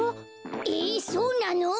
えそうなの？